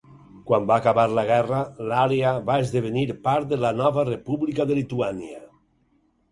Quan va acabar la guerra, l'àrea va esdevenir part de la nova República de Lituània.